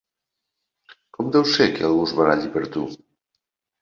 Com deu ser que algú es baralli per tu?